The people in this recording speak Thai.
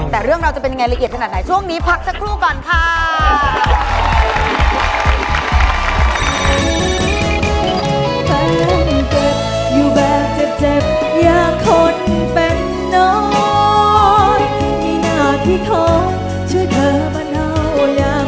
แต่เรื่องเราจะเป็นยังไงละเอียดขนาดไหนช่วงนี้พักสักครู่ก่อนค่ะ